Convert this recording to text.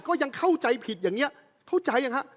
ก็ยังเข้าใจผิดอย่างนี้เข้าใจยังฮะ